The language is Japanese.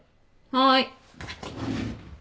はい。